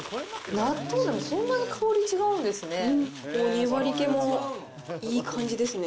納豆でもそんなに香り違うんですね。